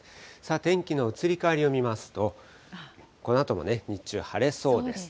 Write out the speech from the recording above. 天気の移り変わりを見ますと、このあとも日中、晴れそうです。